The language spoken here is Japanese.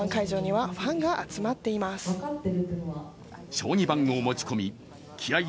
将棋盤を持ち込み、気合い